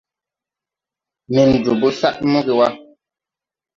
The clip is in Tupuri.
Men jobo sad moge wà.